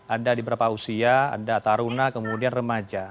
ada diberapa usia ada taruna kemudian remaja